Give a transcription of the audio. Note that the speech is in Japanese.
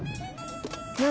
何？